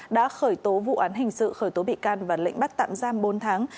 đã khởi tố vụ án hình sự khởi tố bị can và lệnh bắt tạm giam bốn tháng